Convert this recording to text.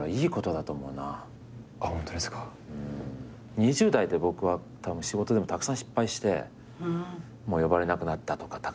２０代で僕は仕事でもたくさん失敗してもう呼ばれなくなったとかたくさんあるし。